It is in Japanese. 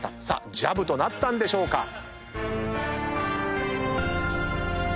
さあジャブとなったんでしょうか。